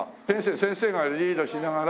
先生がリードしながら。